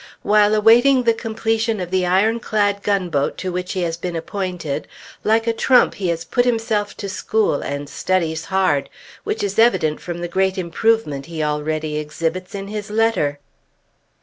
While awaiting the completion of the ironclad gunboat to which he has been appointed, like a trump he has put himself to school, and studies hard, which is evident from the great improvement he already exhibits in his letter....